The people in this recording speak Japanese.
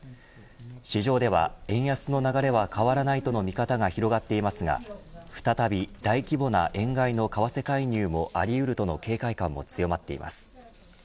市場では円安の流れは変わらないとの見方が広がっていますが再び大規模な円買いの為替介入もあり得るとの警戒感も強まっています。